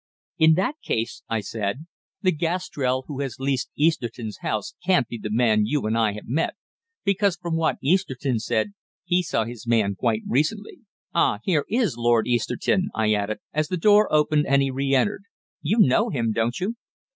"In that case," I said, "the Gastrell who has leased Easterton's house can't be the man you and I have met, because, from what Easterton said, he saw his man quite recently. Ah, here is Lord Easterton," I added, as the door opened and he re entered. "You know him, don't you?"